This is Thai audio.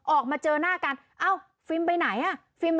ออกมาเจอหน้ากันเอ้าฟิมไปไหน